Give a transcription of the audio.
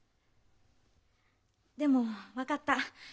でも分かった。